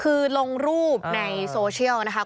คือลงรูปในโซเชียลนะคะ